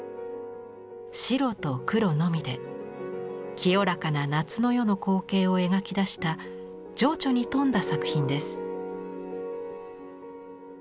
白と黒のみで清らかな夏の夜の光景を描き出した情緒に富んだ作品です。